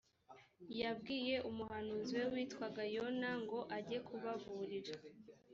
yabwiye umuhanuzi we witwaga yona ngo ajye kubaburira